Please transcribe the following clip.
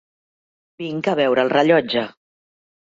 Vinc a veure el rellotge.